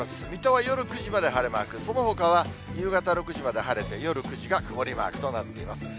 水戸は夜９時まで晴れマーク、そのほかは夕方６時まで晴れて、夜９時が曇りマークとなっています。